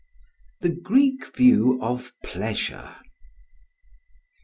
The Greek View of Pleasure.